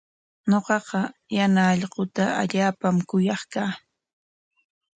Ñuqaqa yana allquuta allaapam kuyaq kaa.